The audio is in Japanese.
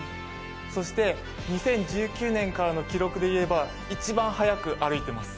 そして、２０１９年からの記録でいえば一番速く歩いています。